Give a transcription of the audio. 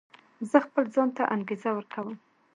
زه خپل ځان ته انګېزه ورکوم.